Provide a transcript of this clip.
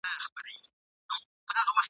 د زاهد له قصده راغلم د زُنار تر پیوندونو !.